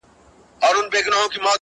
!شپېلۍ٫